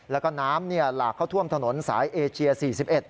แล้วก็น้ำหลากเข้าท่วมถนนสายเอเชีย๔๑